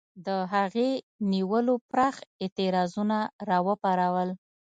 د هغې نیولو پراخ اعتراضونه را وپارول.